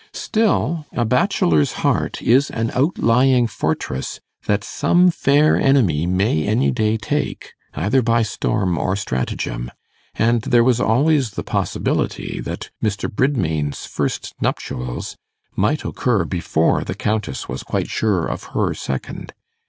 Still, a bachelor's heart is an outlying fortress that some fair enemy may any day take either by storm or stratagem; and there was always the possibility that Mr. Bridmain's first nuptials might occur before the Countess was quite sure of her second.